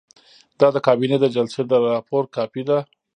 دا د کابینې د جلسې د راپور کاپي ده.